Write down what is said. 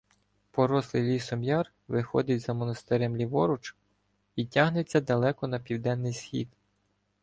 Порослий лісом яр виходить за монастирем ліворуч і тягнеться далеко на південний схід.